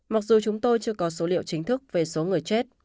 mặc dù chúng tôi chưa có số liệu chính thức về số người chết